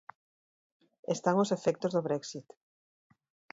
Están os efectos do Brexit.